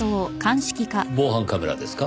防犯カメラですか？